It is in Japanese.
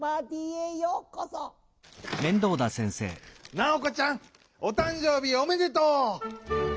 ナオコちゃん！おたんじょうびおめでとう！